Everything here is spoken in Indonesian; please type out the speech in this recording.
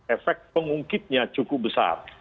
efek pengungkitnya cukup besar